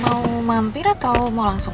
mau mampir atau mau langsung